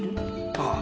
ああ。